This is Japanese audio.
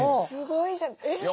すごいじゃない。